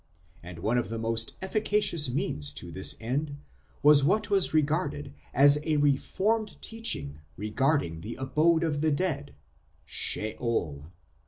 And one of the most efficacious means to this end was what was regarded as a reformed teaching regarding the abode of the dead, Sheol.